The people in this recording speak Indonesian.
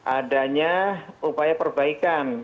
adanya upaya perbaikan